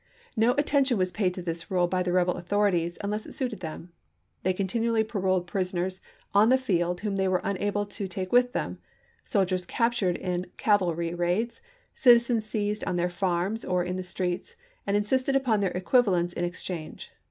No attention was paid to this rule by the rebel author PRISONERS OF WAR 457 ities, unless it suited them. They continually pa chap. xvi. roled prisoners on the field whom they were unable to take with them, soldiers captured in cavalry raids, citizens seized on their farms or in the streets, and insisted upon their equivalents in ex change.